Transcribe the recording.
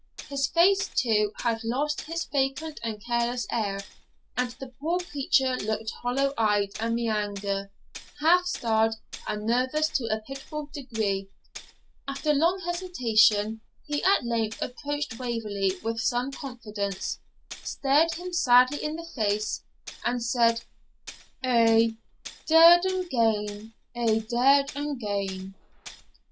His face, too, had lost its vacant and careless air, and the poor creature looked hollow eyed, meagre, half starved, and nervous to a pitiable degree. After long hesitation, he at length approached Waverley with some confidence, stared him sadly in the face, and said, 'A' dead and gane a' dead and gane.'